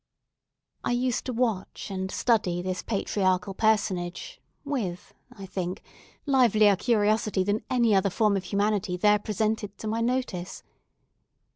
I used to watch and study this patriarchal personage with, I think, livelier curiosity than any other form of humanity there presented to my notice.